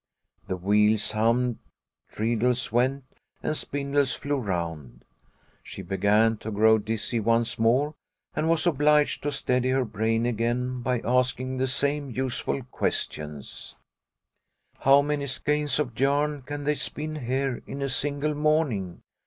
The wheels hummed, treadles went, and spindles flew round. She began to grow dizzy once more, and was obliged to steady her brain again by asking the same useful questions. 24 Liliecrona's Home " How many skeins of yarn can they spin here in a single morning